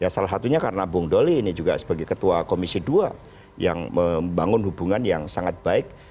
salah satunya karena bung doli ini juga sebagai ketua komisi dua yang membangun hubungan yang sangat baik